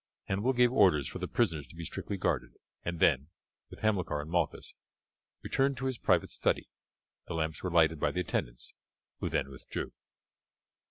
Hannibal gave orders for the prisoners to be strictly guarded, and then, with Hamilcar and Malchus, returned to his private study. The lamps were lighted by the attendants, who then withdrew.